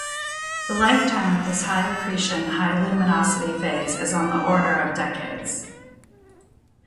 The lifetime of this high-accretion, high-luminosity phase is on the order of decades.